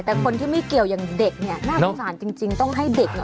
แต่คนที่ไม่เกี่ยวอย่างเด็กเนี่ยน่าสงสารจริงต้องให้เด็กหน่อย